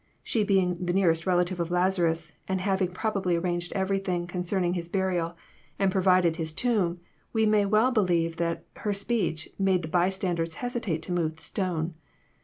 She being the nearest relative of Lazarus, and having probably arranged everything concerning his burial, and provided his tomb, we may well believe that her speech made the bystanders hesitate to move the stone.